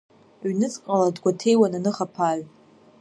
Ҩныҵҟала дгәаҭеиуан аныхаԥааҩ.